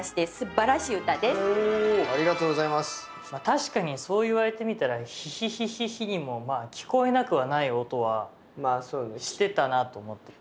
確かにそう言われてみたら「ヒヒヒヒヒ」にも聞こえなくはない音はしてたなと思った。